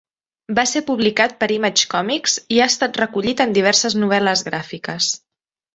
Va ser publicat per Image Comics i ha estat recollit en diverses novel·les gràfiques.